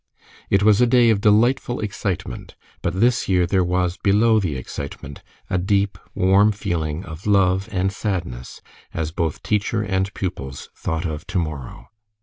It was a day of delightful excitement, but this year there was below the excitement a deep, warm feeling of love and sadness, as both teacher and pupils thought of to morrow.